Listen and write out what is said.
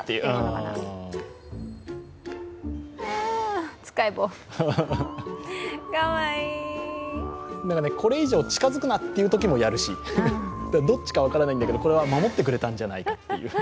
なんかね、これ以上近づくなっていうときもやるしどっちか分からないんだけどこれは守ってくれたんじゃないかという。